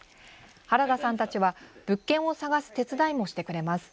原田さんたちは物件を探す手伝いもしてくれます。